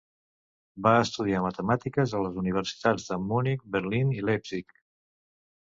Va estudiar matemàtiques a les universitats de Munic, Berlín i Leipzig.